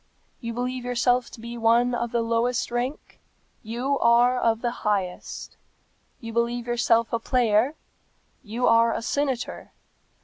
You believe yourself to be of the lowest rank; you are of the highest. You believe yourself a player; you are a senator.